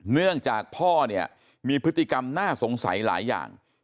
เนื่องจากพ่อเนี่ยมีพฤติกรรมน่าสงสัยหลายอย่าง